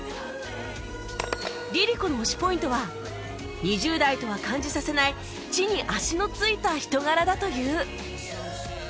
ＬｉＬｉＣｏ の推しポイントは２０代とは感じさせない地に足の着いた人柄だという